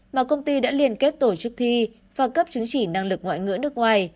mà công ty đã liên kết tổ chức thi và cấp chứng chỉ năng lực ngoại ngữ nước ngoài